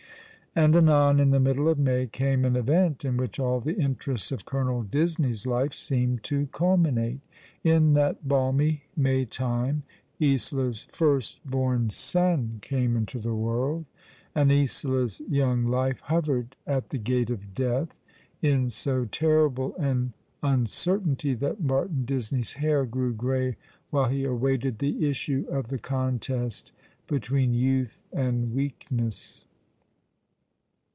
And anon in the middle of May came an event in which all the interests of Colonel Disney's life seemed to culminate. In that balmy Maytime Isola's firstborn son " Of the Weak iny Heart is Weakest. 129 camo into the world, and Isola's young life hovered at tlio gate of death, in so terrible an uncertainty that Martin Disney's hair grew grey while he awaited the issue of the contest between youth and weakness.